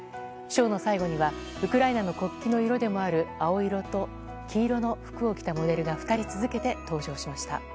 ショーの最後にはウクライナの国旗の色でもある青色と黄色の服を着たモデルが２人続けて登場しました。